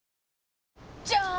じゃーん！